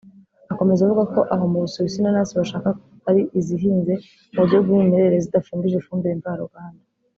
Akomeza avuga ko aho mu Busuwisi inanasi bashaka ari izihinze mu buryo bw’umwimerere zidafumbije ifumbire mvaruganda